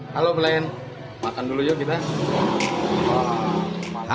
halo flen makan dulu yuk kita